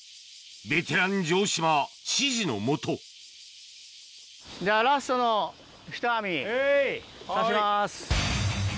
ベテラン城島指示のもとじゃあラストのひと網出します。